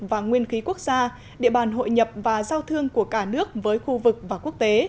và nguyên khí quốc gia địa bàn hội nhập và giao thương của cả nước với khu vực và quốc tế